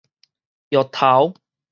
藥頭